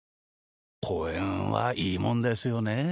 こうえんはいいもんですよねえ。